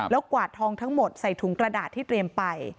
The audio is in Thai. แล้วกวาดทองทั้งหมดใส่ถุงกระดาษที่เตรียมไป